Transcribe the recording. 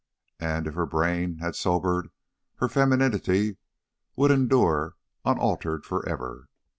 And if her brain had sobered, her femininity would endure unaltered for ever.